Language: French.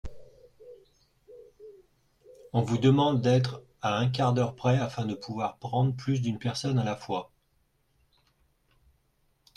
On vous demande d'être à un quart d'heure près afin de povoir prendre plus d'une personne à la fois.